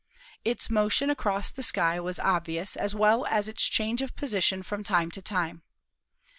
Its motion across the sky was obvious as well as its change of position from time to time.